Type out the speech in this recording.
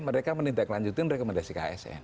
mereka menindaklanjutin rekomendasi ke asn